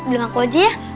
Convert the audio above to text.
bilang aku aja ya